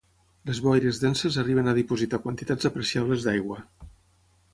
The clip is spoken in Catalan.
Les boires denses arriben a dipositar quantitats apreciables d'aigua.